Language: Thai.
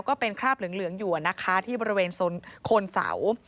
ก็เป็นคราบเหลืองอยู่นะคะที่บริเวณโคนเสา